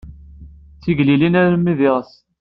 D tigellilin armi d iɣes.